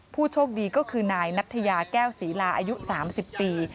ผู้โชคดีก็คือนายนัทยาแก้วศรีลาอายุ๓๐ปี